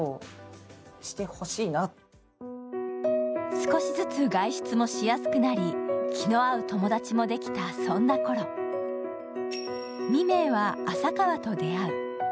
少しずつ外出もしやすくなり、気の合う友達もできた、そんなころ未明は朝川と出会う。